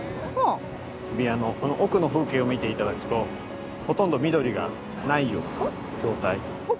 日比谷のこの奥の風景を見て頂くとほとんど緑がないような状態。